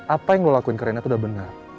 apa yang lo lakuin ke reina tuh udah benar